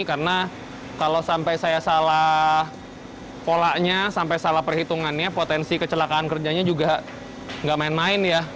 karena kalau sampai saya salah polanya sampai salah perhitungannya potensi kecelakaan kerjanya juga nggak main main ya